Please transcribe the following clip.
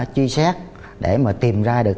chuy xét để mà tìm ra được